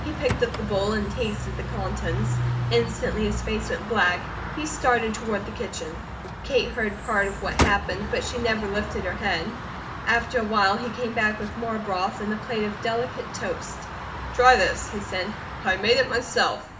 He picked up the bowl and tasted the contents. Instantly his face went black; he started toward the kitchen. Kate heard part of what happened, but she never lifted her head. After a while he came back with more broth and a plate of delicate toast. "Try this," he said. "I made it myself."